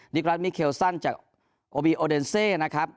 รัฐมิเคลซันจากโอบีโอเดนเซนะครับ